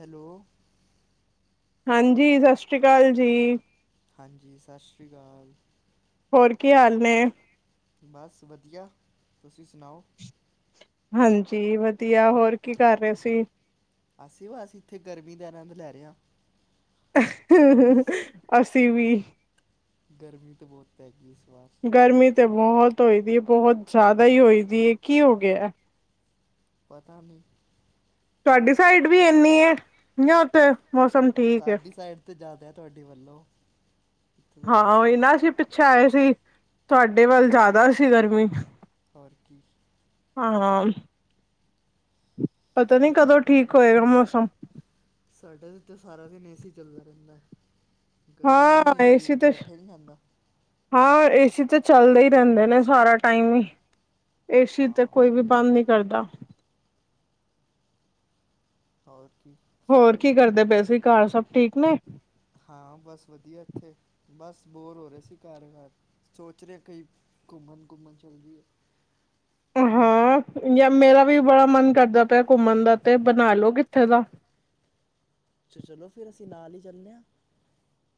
Hello. ਹਾਂਜੀ, ਸਤਿ ਸ਼੍ਰੀ ਅਕਾਲ ਜੀ। ਹਾਂਜੀ, ਸਤਿ ਸ਼੍ਰੀ ਅਕਾਲ। ਹੋਰ ਕੀ ਹਾਲ ਨੇ? ਬਸ ਵਧੀਆ ਤੁਸੀਂ ਸੁਣਾਓ। ਹਾਂਜੀ, ਵਧੀਆ ਹੋਰ ਕੀ ਕਰ ਰਹੇ ਸੀ? ਅਸੀਂ ਬੱਸ ਇੱਥੇ ਗਰਮੀ ਦਾ ਆਨੰਦ ਲੈ ਰਹੇ ਆ। [unintelligible] ਅਸੀ ਵੀ। ਗਰਮੀ ਵੀ ਤੇ ਬਓਤ ਪੈਗੀ ਇਸ ਵਾਰ। ਗਰਮੀ ਤੇ ਬਹੋਤ ਹੋਈ ਦੀ ਬਹੋਤ ਜਾਦਾ ਈ ਹੋਈ ਦੀਏ, ਕੀ ਹੋ ਗਿਆ? ਪਤਾ ਨੀਂ। ਤੁਆਡੀ ਸਾਈਡ ਵੀ ਇੰਨੀ ਏ, ਯਾਂ ਫੇਰ ਮੌਸਮ ਠੀਕ ਹੈ ਸਾਡੀ ਸਾਈਡ ਤਾਂ ਜਾਦਾ ਏ, ਤੁਆਡੇ ਵੱਲੋਂ। ਈਥੇ ਤਾਂ ਜ਼ਿਆਦਾ। ਸ਼ਾਏ ਸੀ, ਤੁਆਡੇ ਵੱਲ ਜਾਦਾ ਸੀ ਗਰਮੀ। ਹੋਰ ਕੀ। ਹਾਂ। ਪਤਾ ਨੀ ਕਦੋਂ ਠੀਕ ਹੋਏਗਾ ਮੌਸਮ। ਸਾਡੇ ਤਾਂ ਇੱਥੇ ਸਾਰਾ ਦਿਨ ਏਸੀ ਚੱਲਦਾ ਰੈਂਦਾ। ਗਰਮੀ ਹਾਂ ਇੰਨੀ ਹੈਗੀ ਏ ਏਸੀ ਕਿ ਤੇ ਬੈਠੇ ਨੀਂ ਜਾਂਦਾ। ਹਾਂ, ਏਸੀ ਤੇ ਚੱਲਦੇ ਹੀ ਰੈਂਦੇ ਨੇ ਸਾਰਾ ਟਾਈਮ ਈ, ਏਸੀ ਤੇ ਹਾਂ ਕੋਈ ਵੀ ਬੰਦ ਨੀ ਕਰਦਾ। ਹੋਰ ਕੀ। ਹੋਰ ਕੀ ਕਰਦੇ ਪਏ ਸੀ, ਕਰ ਸਬ ਠੀਕ ਨੇ? ਹਾਂ, ਬਸ ਵਦੀਆ ਇੱਥੇ ਬਸ, ਬੋਰ ਹੋ ਰੇ ਸੀ। ਕਰ-ਕਰ ਸੋਚ ਰੇ ਕਈ ਕੂੰਮਣ-ਕੂੰਮਣ ਚੱਲ ਜਾਈਏ। ਹਾਂ, ਯਾ ਮੇਰਾ ਵੀ ਬੜਾ ਮਨ ਕਰਦਾ ਪਿਆ ਕੂੰਮਣ ਦਾ ਤੇ ਬਣਾ ਲੋ ਕਿੱਥੇ ਦਾ। ਛਾ ਚਲੋ ਫੇਰ ਅਸੀਂ ਨਾਲ ਹੀ ਚੱਲਨੇ ਆਂ।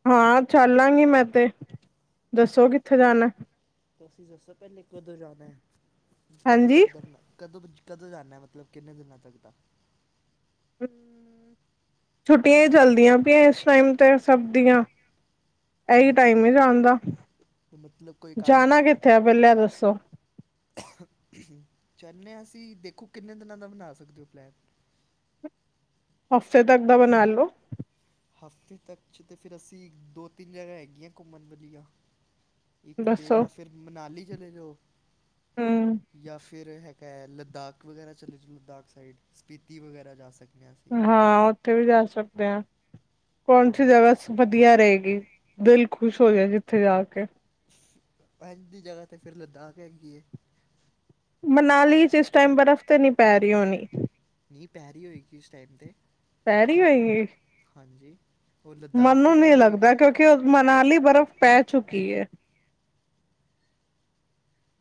ਹਾਂ ਚੱਲਾਂਗੀ ਮੈਂ ਤੇ, ਦੱਸੋ ਕਿੱਥੇ ਜਾਣਾ। ਤੁਸੀਂ ਦੱਸੋ ਪੈਲੇ ਕਦੋਂ ਜਾਣਾ, ਕਦੋਂ ਤੱਕ ਹਾਂਜੀ। ਦਾ ਕਦੋਂ ਕਦੋਂ ਜਾਂਨਾ ਮਤਲਬ ਕਿੰਨੇ ਦਿਨਾਂ ਤੱਕ ਦਾ? ਛੁੱਟੀਆਂ ਈ ਚੱਲਦੀਆਂ ਪਈਆਂ ਏਸ ਟਾਈਮ ਤੇ ਸਬ ਦੀਆਂ। ਏਹੀ ਹਾਂ ਤੇ ਟਾਈਮ ਏ ਜਾਣ ਦਾ, ਮਤਲਬ ਕੋਈ ਕੰਮ ਜਾਣਾ ਕਿੱਥੇ ਆ ਪੈਂਲਾਂ ਏਹ ਦੱਸੋ? ਚਲਨੇ ਆਂ ਅਸੀਂ ਦੇਖੋ, ਕਿੰਨੇ ਦਿਨਾਂ ਦਾ ਬਣਾ ਸਕਦੇ ਓ ਪਲੈਨ। ਹਫ਼ਤੇ ਤੱਕ ਦਾ ਬਣਾ ਲੋ। ਹਫ਼ਤੇ ਤੱਕ 'ਚ ਤਾਂ ਫੇਰ ਅਸੀਂ ਦੋ-ਤਿੰਨ ਜਗ੍ਹਾ ਹੈਗੀਆਂ ਕੂੰਮਣ ਵਾਲੀਆਂ। ਇੱਕ ਤਾਂ ਦੱਸੋ ਆ ਫੇਰ ਮਨਾਾਲੀ ਚਲੇ ਜਾਓ, ਹੂੰ ਯਾਂ ਫਿ ਰ ਹੈਗਾ ਲਦਾਕ ਵਗੈਰਾ ਚਲੇ ਜੋ ਲਦਾਖ ਸਾਈਡ ਸਪਿਤੀ ਵਗੈਰਾ ਜਾ ਸਕ ਹਾਂ, ਓਥੇ ਵੀ ਜਾ ਸਕਦੇ ਆਂ, ਕੌਣ ਸੀ ਹਾਂ ਜਗਾ ਵਦੀਆ ਰਹੇਗੀ, ਦਿਲ ਖੁਸ਼ ਹੋ ਜੇ ਜਿੱਥੇ ਜਾ ਕੇ। ਏਜੰ ਦੀ ਜਗਾ ਤੇ ਫੇਰ ਲਦਾਖ ਹੈਗੀ ਏ। ਮਨਾਲੀ ਚ ਏਸ ਟਾਈਮ ਬਰਫ਼ ਤੇ ਨਈਂ ਪੈ ਰੀ ਹੋਣੀ। ਨੀ ਪੈ ਰੀ ਹੋਏਗੀ ਇਸ ਟਾਈਮ 'ਤੇ। ਪੈ ਰੀ ਹੋਏਗੀ? ਹੰਜੀ, ਓਰ ਲਦਾਖ ਵੀ ਪੈਰੀ ਹੋਏਗੀ। ਕਿਓ ਮਨਾਲੀ ਬਰਫ਼ ਪੈ ਚੁੱਕੀ ਏ।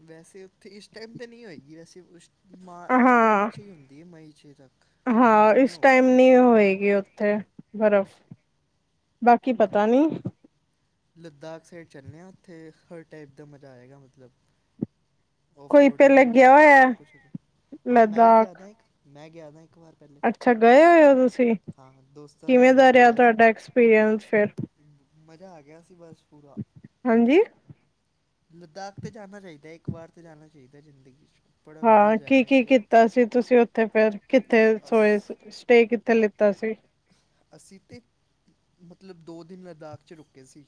ਵੈਸੇ ਉੱਥੇ ਇਸ ਟਾਈਮ ਤਾਂ ਨੀਂ ਹੋਏਗੀ ਵੈਸੇ ਉਸ ਮਾ ਅਪ੍ਰੈਲ ਹਾਂ 'ਚ ਈ ਹੁੰਦੀ ਏ ਮਈ 'ਚ ਤੱਕ। ਹੁਣ ਹਾਂ, ਜੂਨ ਇਸ ਹੋ ਟਾਈਮ ਗਈ ਹੈ ਨਈਂ ਹੋਏਗੀ ਓਥੇ ਬਰਫ਼, ਬਾਕੀ ਪਤਾ ਨੀ। ਲਦਾਕ ਸਾਈਡ ਚਲਨੇ ਆਂ ਓਥੇ ਹਰ ਟਾਈਪ ਦਾ ਮਜ਼ਾ ਆਏਗਾ ਮਤਲਬ ਓ ਕੋਈ ਫਰੋਡਿੰਗ ਪਹਿਲੇ ਵੀ ਹੋ ਗਿਆ ਜੇਗੀ, ਸਬ ਹੋਇਆ ਕੁਛ ਹੋ ਜੇ। ਹਾਂ ਮੈਂ ਹੀ ਗਿਆ ਲਦਾਖ ਦਾਂ ਇੱਕ ਵਾਰ ਮੈਂ ਗਿਆ ਤਾਂ ਇੱਕ ਵਾਰ। ਪਹਿਲੇ ਅੱਛਾ, ਗਏ ਹੋਏ ਓ ਤੁਸੀਂ? ਹਾਂ ਦੋਸਤਾਂ ਨਾਲ ਕਿਵੇਂ ਬਣਾ ਦਾ ਕੇ ਰੇਯਾ ਗਿਆ ਸੀ ਤੁਆਡਾ ਮੈਂ। ਐਕਸਪੀਰੀਅੰਸ ਫੇਰ? ਮਜ਼ਾ ਆ ਗਿਆ ਸੀ ਬਸ ਪੂਰਾ। ਹਾਂਜੀ ਲਦਾਖ ਤੇ ਜਾਣਾ ਚਾਹੀਦਾ ਹੈ, ਇੱਕ ਵਾਰ ਤੇ ਜਾਣਾ ਚਾਹੀਦਾ ਜ਼ਿੰਦਗੀ'। ਬੜਾ ਵਧੀਆ ਹਾਂ, ਕੀ ਜਗ੍ਹਾ -ਕੀ ਹੈਗੀ ਕੀਤਾ ਸੀ ਤੁਸੀਂ ਉੱਥੇ ਫੇਰ ਕਿੱਥੇ ਹੈ ਸੋਏ। ਅਸ ਸਟੇ ਕਿੱਥੇ ਲਿੱਤਾ ਸੀ। ਅਸੀਂ ਤੇ, ਮਤਲਬ ਦੋ ਦਿਨ ਲਦਾਖ 'ਚ ਰੁਕੇ ਸੀ।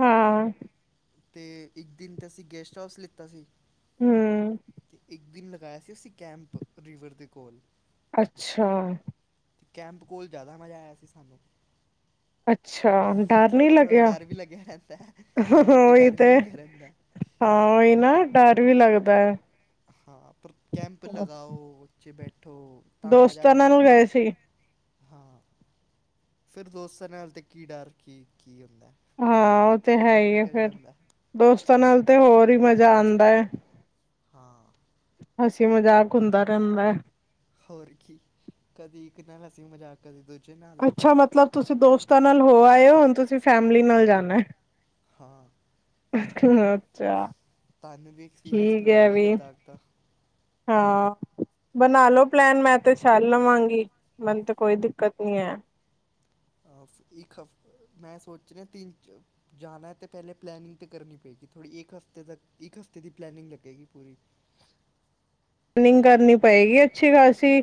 ਹਾਂ ਤੇ ਇੱਕ ਦਿਨ ਤਾਂ ਅਸੀਂ ਗੈਸਟ ਹਾਊਸ ਲਿੱਤਾ ਸੀ। ਹਮ ਤੇ ਇੱਕ ਦਿਨ ਮ ਗਾਇਆ ਸੀ ਉਸ ਕੈਂਪ, ਰਿਵਰ ਦੇ ਕੋਲ ਅੱਛਾ ਅਤੇ ਕੈਂਪ ਕੋਲ ਜ਼ਿਆਦਾ ਮਜ਼ਾ ਆਇਆ ਸੀ। ਸਾਨੂੰ ਅੱਛਾ ਡਰ ਥੋ ਨੀ ਘਬਰਾੜ੍ਹਾ ਥੋੜ੍ਹਾ ਲੱਗਿਆ ਡਰ ਵੀ ਲੱਗਿਆ ਰਹਿੰਦਾ, ਰਾਤੀ, ਉਹੀ ਡਰ ਵੀ ਤੇ ਲੱਗਿਆ ਰਹਿੰਦਾ। ਹਾਂ, ਉਹੀ ਪਰ ਨਾ ਡਰ ਵੀ ਲੱਗਦਾ ਹੈ। ਹਾਂ, ਪਰ ਕੈੈਂਪ ਲਗਾਓ, ਉੱਚੇ ਬੈਠੋ। ਤਾਂ, ਮਜ਼ਾ ਦੋਸਤਾਂ ਬੜਾ ਨਾਲ ਹਦਾ ਗਏ ਸੀ ਹਾਂ। ਫਿਰ, ਦੋਸਤਾਂ ਨਾਲ ਤੇ ਕੀ ਡਰ ਕੀ -ਕੀ ਹੁੰਦਾ। ਹਾਂ, ਉਹ ਤੇ ਹੈ ਡਰ ਹੀ ਆ ਨਿਕਲ ਫਰ, ਜਾਂਦਾ ਹੈ। ਦੋਸਤਾਂ ਨਾਲ ਤੇ ਹੋਰ ਹੀ ਮਜ਼ਾ ਆਉਂਦਾ ਹੈ। ਹਾਂ। ਹਸੀ -ਮਜ਼ਾਕ ਹੁੰਦਾ ਰਹਿੰਦਾ ਹੈ। ਹੋਰ ਕੀ, ਕਦੀ ਇੱਕ ਨਾਲ ਹਸੀ- ਮਜ਼ਾਕ ਕਦੇ ਦੂਜੇ ਨਾਲ ਅੱਛਾ, ਮਤਲਬ ਤੁਸੀਂ ਦੋਸਤਾਂ ਨਾਲ ਹੋ ਆਏ ਹੋ, ਹੁਣ ਤੁਸੀਂ ਫੈਮਿਲੀ ਨਾਲ ਜਾਣਾ। ਹਾਂ। ਅੱਛਾ ਤਹਾਨ ਨੂੰ ਵੀ ਐਕਸਪੀਰੀਅੰਸ ਠੀਕ ਹੈ ਕਰਵਾਈਏ, ਵੀ ਲੱਦਾਖ ਦਾ। ਹਾਂ। ਬਣਾ ਲੋ ਪਲੈਨ, ਮੈਂ ਤੇ ਚਲ ਲਵਾਂਗੀ, ਮੈਨੂੰ ਤੇ ਕੋਈ ਦਿੱਕਤ ਨੀ ਹੈ। ਇੱਕ ਹ ਮੈਂ ਸੋਚ ਰਿ ਤਿੰਨ। ਜਾਣਾ ਤਾਂ, ਪਹਿਲੇ ਪਲੈਨਿੰਗ ਤਾਂ ਕਰਨੀ ਪਏਗੀ, ਥੋੜ੍ਹੀ ਇੱਕ ਹਫ਼ਤੇ ਤੱਕ, ਇੱਕ ਹਫ਼ਤੇ ਦੀ ਪਲੈਨਿੰਗ ਲੱਗੇਗੀ, ਪੂਰੀ। ਰਨਿੰਗ ਕਰਨੀ ਪਏਗੀ, ਅੱਛੀ ਖਾਸੀ,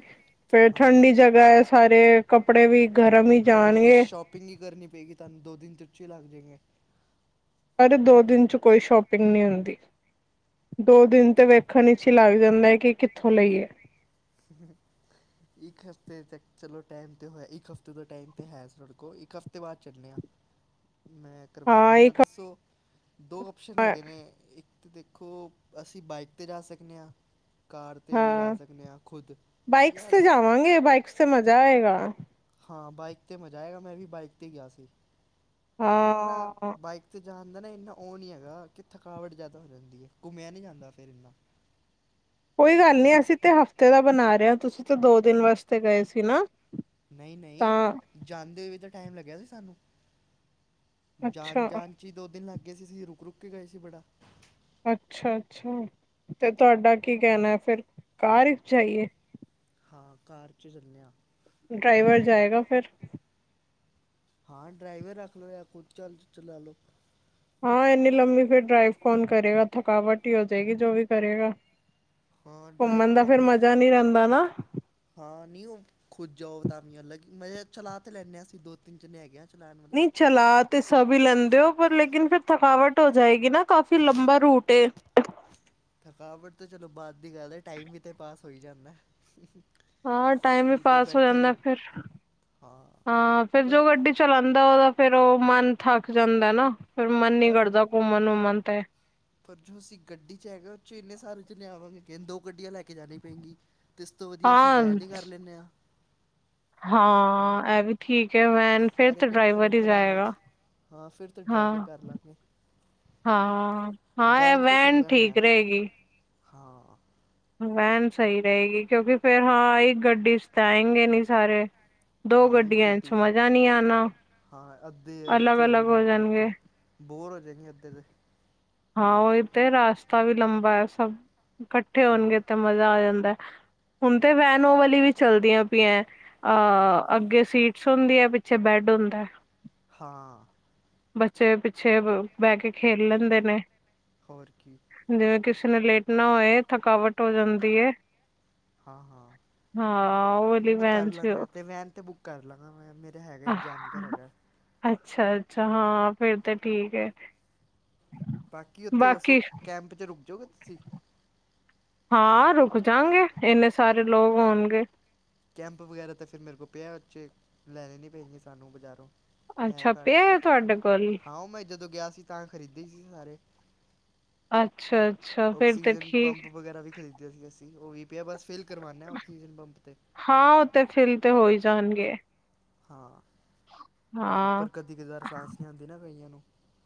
ਫਿਰਰ ਹਾਂ ਠੰਡੀ ਜਗ੍ਹਾ ਹੈ, ਸਾਰੇ ਕੱਪੜੇ ਵੀ ਗਰਮ ਹੀ ਪਹਿਲੇ ਤਾਂ, ਜਾਣਗੇ ਸ਼ੋਪਿੰਗ ਹੀ ਕਰਨੀ ਪਏਗੀ, ਤੁਹਾਨੂੰ ਦੋ ਦਿਨ 'ਚੇ ਹੀ ਲੱਗ ਜਾਏਗੇ। ਪਰ ਦੋ -ਦਿਨ 'ਚ ਕੋਈ ਸ਼ੋਪਿੰਗ ਨਹੀਂ ਹੁੰਦੀ, ਦੋ ਦਿਨ 'ਚ ਤੇ ਵੇਖਣ ਵਿੱਚ ਹੀ ਲੱਗ ਜਾਂਦਾ ਹੈ, ਕਿ ਕਿੱਥੋਂ ਲਈਏ। [inaudible] ਇੱਕ ਹਫ਼ਤੇ ਤੱਕ ਚਲੋ ਟਾਈਮ ਤੇ ਹੋਇਆ, ਇੱਕ ਹਫ਼ਤੇ ਤੋਂ ਟਾਈਮ ਤੇ ਹੈ ਸਾਡੇ ਕੋਲ, ਇੱਕ ਹਫ਼ਤੇ ਬਾਅਦ ਚਲਦੇ ਹਾਂ। ਮੈਂ ਕਰਵਾ ਹਾਂ ਦਿੰਦਾ ਇੱਕ ਦੱਸੋ, ਦੋ ਆਪਸ਼ਨ ਹੈਗੇ ਨੇ, ਇੱਕ ਅਤੇ ਦੇਖੋ, ਅਸੀਂ ਬਾਈਕ ਤੇ ਜਾ ਸਕਦੇ ਹਾਂ, ਕਾਰ ਤੇ ਵੀ ਜਾ ਸਕਦੇ ਹਾਂ। ਬਾਈਕ ਤੇ ਜਾਵਾਂਗੇ, ਬਾਈਕ ਤੇ ਮਜ਼ਾ ਆਏਗਾ। ਹਾਂ, ਬਾਈਕ ਤੇ ਮਜ਼ਾ ਆਏਗਾ, ਮੈਂ ਵੀ ਬਾਈਕ ਤੇ ਗਿਆ ਸੀ ਪਰ ਨਾ। ਹਾਂ ਬਾਈਕ ਤੇ ਜਾਣ ਦਾ ਨਾ, ਇੰਨਾ ਉਹ ਨਹੀਂ ਹੈਗਾ ਕਿ ਥਕਾਵਟ ਜ਼ਿਆਦਾ ਹੋ ਜਾਂਦੀ ਹੈ, ਘੁੰਮਿਆ ਨਹੀਂ ਜਾਂਦਾ ਫਿਰ ਇੰਨਾ। ਕੋਈ ਗੱਲ ਨਹੀਂ, ਅਸੀਂ ਤਾਂ ਹਫ਼ਤੇ ਦਾ ਬਣਾ ਰਹੇ ਹ, ਤੁਸੀਂ ਤਾਂ ਦੋ ਦਿਨ ਵਾਸਤੇ ਗਏ ਸੀ ਨਾ। ਨਹੀਂ- ਤਾਂ ਨਹੀਂ ਜਾਂਦੇ ਵੀ ਤਾਂ ਟਾਈਮ ਲੱਗਿਆ ਸੀ ਸਾਨੂੰ, ਜਾਣ ਅੱਛਾ -ਜਾਣ। ਅਸੀਂ ਦੋ -ਦਿਨ ਲੱਗ ਗਏ ਸੀ, ਅਸੀ ਰੁਕ -ਰੁੱਕ ਕੇ ਗਏ ਸੀ ਬੜਾ। ਅੱਛਾ -ਅੱਛਾ ਤੇ ਤੁਹਾਡਾ ਕੀ ਕਹਿਣਾ ਹੈ ਫਿਰ, ਕਾਰ ਵਿੱਚ ਜਾਈਏ। ਹਾਂ, ਕਾਰ ਚ ਚਲਿਆ। ਡਰਾਈਵਰ ਜਾਏਗਾ ਫਿਰ। ਹਾਂ ਡਰਾਈਵਰ ਰੱਖ ਲਓ, ਜਾਂ ਕੁਛ ਚੱਲ ਚਲਾ ਲੋ। ਹਾਂ ਇੰਨੀ ਲੰਮੀ ਫਿਰ ਡਰਾਈਵ ਕੌਣ ਕਰੇਗਾ, ਥਕਾਵਟ ਹੀ ਹੋ ਜਾਏਗੀ ਜੋ ਵੀ ਕਰੇਗਾ। ਹਾਂ ਘੁੰਮਣ ਡਰਾਈਵਰ ਦਾ ਰੱਖ ਫਿਰ ਲਓ ਮਜ਼ਾ ਨਹੀਂ ਰਹਿੰਦਾ ਨਾ। ਹਾਂ ਨੀ ਉਹ ਖੁਦ ਜਾਓ ਤਾਂ ਅਲੱਗ ਮਜਾ ਚਲਾ ਤੇ ਲੈਨੇ ਅਸੀਂ ਦੋ -ਤਿੰਨ ਜਾਣੇ ਹੈਗੇ। ਚਲਾਨ ਮਤਲਬ। ਨਹੀਂ ਚਲਾ ਤੇ ਸਭ ਹੀ ਲੈਂਦੇ ਹੋ, ਪਰ ਲੇਕਿਨ ਫਿਰ ਥਕਾਵਟ ਹੋ ਜਾਏਗੀ ਨਾ ਕਾਫ਼ੀ ਲੰਬਾ ਰੂਟ ਐ। ਥਕਾਵਟ ਤਾਂ ਚਲੋ ਬਾਅਦ ਦੀ ਗੱਲ ਹੈ, ਟਾਈਮ ਵੀ ਤੇ ਪਾਸ ਹੋਈ ਜਾਂਦਾ। ਹਾਂ ਟਾਈਮ ਵੀ ਨਹੀਂ ਤੇ ਪਾਸ ਹੋ ਬੈਠੇ ਜਾਂਦਾ, ਰਹੋ ਫਿਰ ਹਾਂ ਫਿਰ ਪਰ ਜੋ ਗੱਡੀ। ਚਲਾਦਾ ਉਹਦਾ ਫਿਰ ਉਹ ਮਨ ਥੱਕ ਜਾਂਦਾ ਨਾ, ਫਿਰ ਮਨ ਨੀ ਪਰ ਕਰਦਾ ਘੁੰਮਣ ਘੁੰਮਣ ਤੇ। ਪਰ ਜੋ ਅਸੀਂ ਗੱਡੀ ਚ ਹੈਗਾ ਉਹ ਚ ਇੰਨੇ ਸਾਰੇ ਚ ਲਿਆਵਾਂਗੇ ਕਹਿੰਦੇ ਦੋ ਗੱਡੀਆਂ ਲੈ ਕੇ ਜਾਣੀ ਪਏਗੀ। ਇਸ ਤੋਂ ਵਧੀਆ, ਅਸੀਂ ਹਾਂ ਵੈਨ ਹੀ ਕਰ ਲੈਂਦੇ ਹਾਂ। ਹਾਂ ਇਹ ਵੀ। ਠੀਕ ਹੈ ਵੈਨ ਫਿਰ ਸਾਰੇ ਤਾਂ ਇਕੱਠੇ ਡਰਾਈਵਰ ਹੀ ਬੈਠੇ ਰਹਾਂਗੇ ਜਾਏਗਾ ਹਾਂ ਫਿਰ ਤਾਂ ਡਰਾਈਵਰ ਹਾਂ। ਕਰ ਲਾਂਗੇ ਹਾਂ -ਹਾਂ -ਹਾਂ ਇਹ 'ਚ ਚੱਲ ਵੈਨ ਜਾਂਦੇ ਹਾਂ ਠੀਕ ਰਹੇਗੀ। ਹਾਂ ਹੁਣ ਵੈਨ ਸਹੀ ਰਹੇਗੀ, ਕਿਉਂਕਿ ਫਿਰ ਹਾਂ ਇਹ ਗੱਡੀ ਤਾਂ ਆਏਗੇ ਨੀ ਸਾਰੇ ਦੋ ਹਾਂ ਇੱਕ ਗੱਡੀਆਂ 'ਚ ਗੱਡੀ ਮਜ਼ਾ ਨਹੀਂ ਆਣਾ ਹਾਂ ਅੱਧੇ ਵਿੱਚ ਅਲੱਗ ਅਲੱਗ ਅੱਧੇ ਹੋ ਜਾਣਗੇ ਅੱਧੇ ਬੋਰ ਹੋਏ ਅੱਧੇ ਤੇ ਹਾਂ, ਉਹ ਹੀ ਤੇ ਰਸਤਾ ਵੀ ਲੰਬਾ ਹੈ। ਸਭ ਇਕੱਠੇ ਹੋਣਗੇ ਹਾਂ ਤੇ ਮਜ਼ਾ ਆ ਜਾਂਦਾ, ਹੁਣ ਤੇ ਵੈਨ ਉਹ ਵਾਲੀ ਵੀ ਚਲਦੀਆਂ ਪਈਆਂ ਅਹ ਅੱਗੇ ਸੀਟਸ ਹੁੰਦੀ ਹੈ, ਪਿੱਛੇ ਬੈੱਡ ਹੁੰਦਾ। ਹਾਂ। ਬੱਚੇ ਪਿੱਛੇ ਬਹਿ ਕੇ ਖੇਲ ਲੈਂਦੇ ਨੇ। ਹੋਰ ਕੀ ਜਿਵੇਂ ਕਿਸੇ ਨੇ ਲੇਟਣਾ ਹੋਏ, ਥਕਾਵਟ ਹੋ ਜਾਂਦੀ ਏ। ਹਾਂ ਹਾਂ ਉਹ ਵਾਲੀ ਵੈਨ ਚ [unintelligible] ਤੇ ਵੈਨ ਤੇ ਬੁੱਕ ਕਰ ਲੈਣਾ ਮੈਂ, ਮੇਰਾ ਹੈਗਾ ਇੱਕ ਜਾਣਕਰ ਹੈਗਾ ਅੱਛਾ -ਅੱਛਾ ਹਾਂ, ਫਿਰ ਤਾਂ ਠੀਕ ਹੈ। ਬਾਕੀ ਉੱਥੇ ਦੱਸੋ, ਬਾਕੀ ਕੈਂਪ 'ਚ ਰੁਕ ਜੋਗੇ ਤੁਸੀਂ? ਹਾਂ, ਰੁਕ ਜਾਣਗੇ ਇੰਨੇ ਸਾਰੇ ਲੋਕ ਹੋਣਗੇ। ਕੈਂਪ ਵਗੈਰਾ ਤਾਂ ਫਿਰ ਮੇਰੇ ਕੋਲ ਪਿਆ ਉੱਚ ਲੈਣੀ ਭੇਜਨੀ ਨਹੀਂ ਪੈਣੀ ਸਾਨੂੰ ਬਜ਼ਾਰੋਂ ਹੈ ਅੱਛਾ ਘਰ ਪਿਆ ਹੈ ਲੱਗੇ ਤੁਹਾਡੇ ਕੋਲ ਹਾਂ ਉਹ ਮੈਂ ਜਦੋਂ ਗਿਆ ਸੀ ਤਾਂ ਖਰੀਦੇ ਸੀ ਸਾਰੇ ਅੱਛਾ -ਅੱਛਾ! ਫਿਰ ਤੇ ਆਕਸੀਜਨ ਠੀਕ ਪੰਪ ਵਗੈਰਾ ਵੀ ਖਰੀਦਿਆ ਸੀ, ਅਸੀਂ ਉਹ ਵੀ ਪਿਆ ਬਸ ਫਿਲ ਕਰਵਾਨੇ ਆਕਸੀਜਨ ਪੰਪ 'ਤੇ ਹਾਂ ਉਹ ਤੇ ਫਿਲ ਤੇ ਹੋਈ ਜਾਣਗੇ ਹਾਂ, ਹਾਂ ਉੱਪਰ ਕਦੀ ਕਧਾਰ ਸਾਂਸ ਨਹੀਂ ਆਉਂਦੀ ਨਾ ਕਈਆਂ ਨੂੰ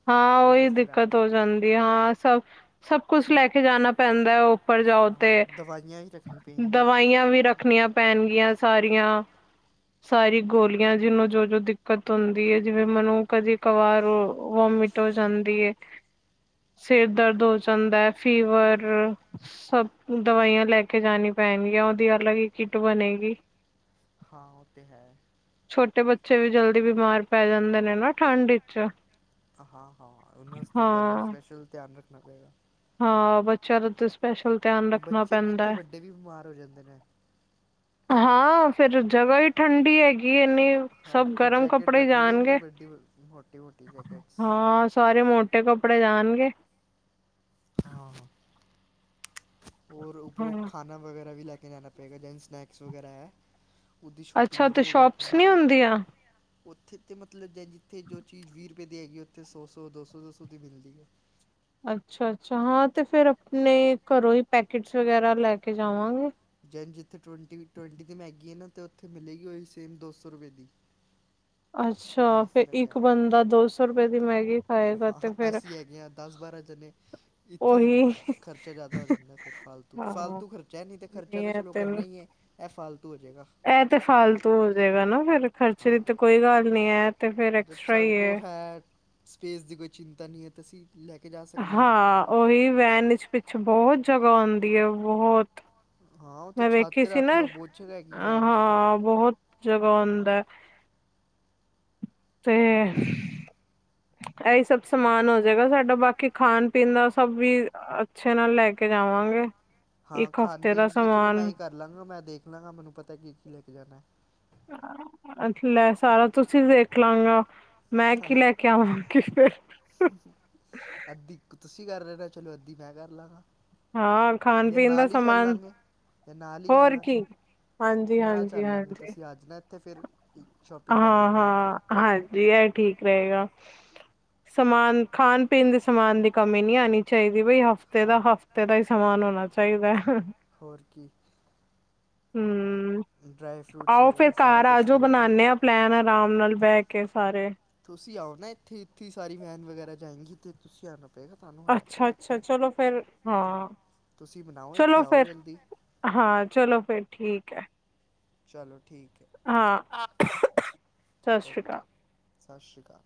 ਹਾਂ, ਤੇ ਉਹਦੇ ਉਹੀ ਵਾਸਤੇ ਰੱਖ ਦਿੱਕਤ ਹੋ ਲੈਂਦਾ ਜਾਂਦੀ ਮੈਂ। ਐ। ਸਭ ਸਭ ਕੁਛ ਲੈ ਕੇ ਜਾਣਾ ਪੈਂਦਾ ਉੱਪਰ ਜਾਓ ਤੇ ਹਾਂ ਦਵਾਈਆਂ ਹੀ ਰੱਖਣੀ ਪੈਣਗੀ ਦਵਾਈਆਂ ਵੀ ਰੱਖ ਰੱਖਣੀਆਂ ਪੈਣਗੀਆਂ, ਸਾਰੀਆਂ ਸਾਰੀ ਗੋਲੀਆਂ ਜਿਹਨੂੰ ਜੋ ਜੋ ਦਿਕ ਦਿੱਕਤ ਹੁੰਦੀ ਹੈ ‌ਜਿਵੇਂ ਮੈਨੂੰ ਕਦੇ ਕਵਾਰ ਵੋਮਿਟ ਹੋ ਜਾਂਦੀ ਏ ਸਿਰ ਦਰਦ ਹੋ ਜਾਂਦਾ ਹੈ, ਫੀਵਰ। ਸਭ ਹਾਂ ਦਵਾਈਆਂ ਲੈ ਕੇ ਜਾਣੀ ਪੈਣਗੀ ਆ। ਉਹਦੀ ਅਲੱਗ ਹੀ ਕਿੱਟ ਬਣੇਗੀ। ਹਾਂ, ਉਹ ਤੇ ਹੈ। ਛੋਟੇ ਬੱਚੇ ਵੀ ਜਲਦੀ ਬਿਮਾਰ ਪੈ ਜਾਂਦੇ ਨੇ ਨਾ ਠੰਡ ਵਿੱਚ। ਹਾਂ -ਹਾਂ ਓਨਾਂ ਅਸਤੇ ਤੇ ਅ ਹਾਂ ਸਪੈਸ਼ਲ ਧਿਆਨ ਰੱਖਣਾ ਪਏਗਾ। ਹਾਂ ਬੱਚਿਆਂ ਦਾ ਤੇ ਸਪੈਸ਼ਲ ਧਿਆਨ ਰੱਖਣਾ ਬੱਚੇ ਕੀ ਉੱਥੇ ਪੈਂਦਾ। ਵੱਡੇ ਵੀ ਬਿਮਾਰ ਹੋ ਜਾਂਦੇ ਨੇ ਹਾਂ ਫੇਰ ਜਗ੍ਹਾ ਈ ਠੰਡੀ ਹੈਗੀ ਏਨੀ, ਹਰ ਸਭ ਕਿ ਗਰਮ ਜੈਕਟ ਕੱਪੜੇ ਰੱਖਣੀ ਪਏਗੀ ਜਾਣਗੇ‌। ਵੱਡੀ ਮੋਟੀ- ਮੋਟੀ ਜੈਕਟਸ। ਸਾਰੇ ਮੋਟੇ ਕੱਪੜੇ ਜਾਣਗੇ। ਹਾਂ ਹਾਂ। ਔਰ ਉੱਪਰੋਂ ਹਾਂ ਖਾਣਾ ਵਗੈਰਾ ਵੀ ਲੈ ਕੇ ਜਾਣਾ ਪਵੇਗਾ ਜੇਂਝ ਸਨੈਕਸ ਵਗੈਰਾ ਐ। ਉਦੀ ਸ਼ੋਪਿੰਗ ਅੱਛਾ ਤੇ ਏਧਰ ਈ ਕਰਕੇ- ਸ਼ੋਪਸ ਨੀ ਹੁੰਦੀਆਂ [unintelligible] ਓਥੇ ਤੇ ਮਤਲਬ ਜ ਜਿੱਥੇ ਜੋ ਚੀਜ਼ ਵੀਅ ਰੁਪਏ ਦੀ ਹੈਗੀ, ਓਥੇ ਸੌ- ਸੌ, ਦੋ ਸੋ-ਦੋ ਸੌ ਦੀ ਮਿਲਦੀ ਐ। ਅੱਛਾ -ਅੱਛਾ ਹਾਂ ਤੇ ਫੇਰ ਆਪਣੇ ਘਰੋਂ ਈ ਪੈਕਟਸ ਵਗੈਰਾ ਲੈ ਕੇ ਜਾਵਾਂਗੇ। ਜੈਂਧ ਏਥੇ ਟਵੰਟੀ- ਟਵੰਟੀ ਦੀ ਮੈਗੀ ਐ ਨਾ ਤੇ ਓਥੇ ਮਿਲੇਗੀ ਓਈ ਸੇਮ ਦੋ ਸੌ ਰੁਪਏ ਦੀ। [inaudible] ਅੱਛਾ ਐਂਜ ਫਿਰ ਫ਼ਰਕ ਇੱਕ ਹੈ ਬੰਦਾ ਦੋ ਸੌ ਰੁਪਏ ਦੀ ਮੈਗੀ ਖਾਏਗਾ ਹਾਂ- ਤੇ ਹਾਂ ਫਿਰ ਅਸੀਂ ਹੈਗੇ ਹਾਂ ਦਸ ਬਾਰਾਂ ਜਣੇ। ਏਥੇ ਈ ਉਹੀ ਖਰਚਾ ਜਾਂਦਾ ਓ ਜਾਂਦਾ ਫੇਰ ਫਾਲਤੂ, ਹਾਂ ਫਾਲਤੂ ਖਰਚਾ ਐ ਨਈ ਤੇ ਖਰਚਾ ਨਹੀਂ ਤੇ ਚਲੋ ਕਰਨਾ ਈ ਏ। ਐ ਫਾਲਤੂ ਓ ਜੇਗਾ। ਐ ਤੇ ਫਾਲਤੂ ਓ ਜੇਗਾ ਨਾ ਫੇਰ, ਖਰਚੇ ਦੀ ਹਾਂ ਤੇ ਕੋਈ ਗੱਲ ਨੀ ਐ ਤੇ ਫੇਰ ਐਕਸਟਰਾ ਈ ਏ। ਐ ਸਪੇਸ ਦੀ ਕੋਈ ਚਿੰਤਾ ਨੀ ਏ ਤਸੀਂ- ਲੈ ਕੇ ਜਾ ਹਾਂ ਓਵੀ ਵੈਨ ਵਿਚ ਪਿੱਛੇ ਬੋਤ ਜਗ੍ਹਾ ਹੁੰਦੀ ਏ ਬਹੁਤ ਹਾਂ ਉਹ ਤਾਂ ਮੈਂ ਛੱਤ ਵੇਖੀ 'ਤੇ ਸੀ ਰੱਖ ਨਾ, ਲਓ ਬਹੁਤ ਜਗ੍ਹਾ ਹੈਗੀ ਵੈਨ 'ਚ ਤਾਂ ਹਾਂ- ਬਹੁਤ ਜਗ੍ਹਾ ਉਂਦਾ ਤੇ ਹਾਂ ਐਈ ਸਭ ਸਮਾਨ ਹੋਜੇਗਾ ਸਾਡਾ, ਬਾਕੀ ਖਾਣ ਪੀਣ ਦਾ ਸਭ ਵੀ ਅੱਛੇ ਨਾਲ ਲੈ ਕੇ ਜਾਵਾਂਗੇ। ਹਾਂ ਇੱਕ ਖਾਣ ਹਫ਼ਤੇ ਪੀਣ ਦਾ ਦੀ ਤੇ ਚਲੋ ਮੈਂ ਸਮਾਨ ਈ ਕਰ ਲਾਂਗਾ। ਮੈਂ ਦੇਖ ਲਾਂਗਾ ਮੈਨੂੰ ਪਤਾ ਕੀ ਕੀ ਲੈ ਕੇ ਜਾਣਾ। ਅੱਛ ਲੈ ਸਾਰਾ ਤੁਸੀਂ ਦੇਖ ਲਾਂਗਾ, ਮੈਂ ਕੀ ਲੈ ਕੇ ਆਵਾਂ [unintelligible] ਅੱਧੀ ਤੁਸੀਂ ਕਰ ਰੈਣਾ, ਚਲੋ ਅੱਧੀ ਮੈਂ ਕਰ ਲਾਂਗਾ। ਹਾਂ ਖਾਣ ਜਾਂ ਪੀਣ ਦਾ ਨਾਲ ਈ ਚੱਲ ਸਮਾਨ ਲਾਂਗੇ ਤੇੇ ਨਾਲ ਈ ਕਰ ਲਾਂਗੇ, ਹੋਰ ਕੀ। ਹਾਂਜੀ ਨਾ ਹਾਂਜੀ ਚੱਲ ਲਾਂਗੇ ਹਾਂਜੀ ਤੁਸੀਂ ਅੱਜ ਨਾ ਏਥੇ ਫੇਰ ਸੋ਼ਪ ਹਾਂ ਹਾਂ ਹਾਂਜੀ ਐ ਠੀਕ ਰ‌ਏਗਾ। ਸਮਾਨ ਖਾਣ ਪੀਣ ਦੇ ਸਮਾਨ ਦੀ ਕਮੀ ਨੀ ਆਣੀ ਚਾਈਦੀ। ਬਈ ਹਫ਼ਤੇ ਦਾ ਹਾਂ ਹਫ਼ ਹਫਤੇ ਦਾ ਈ ਸਮਾਨ ਹੋਣਾ ਚਾਈਦਾ। ਹੋਰ ਕੀ। ਹੂੰਅ ਡਰਾਈ ਫਰੂਟਸ ਆਓ ਫੇਰ ਵਗੈਰਾ ਸਾਰਾ ਘਾਰ ਕੁਝ ਆ ਜੋ ਖਰੀਦਣਾ ਬਣਾਣੇ ਆਂ ਪਲੈਨ ਆਰਾਮ ਨਾਲ ਬੈ ਕੇ ਸਾਰੇ ਤੁਸੀਂ ਆਓ ਨਾ ਏਥੇ, ਏਥੇ ਸਾਰੀ ਵੈਨ ਵਗੈਰਾ ਜਾਏਗੀ। ਤੇ ਤੁਸੀਂ ਆਣਾ ਪਏਗਾ ਤਾਨੂੰ ਆਣਾ ਪਏਗਾ ਅੱਛਾ ਅੱਛਾ ਏਥੇ। ਚਲੋ ਫਿਰ ਹਾਂ ਤੁਸੀਂ ਬਣਾਓ ਏਥੇ ਚਲੋ ਆਓ ਫਿਰ ਜਲਦੀ। ਹਾਂ ਚਲੋ ਫੇਰ ਠੀਕ ਐ। ਚਲੋ ਠੀਕ ਐ। ਹਾਂ ਊਹੂ ਊਹੂ ਸਾਸਰੀ ਕਾਲ। ਸਾਸਰੀ ਕਾਲ।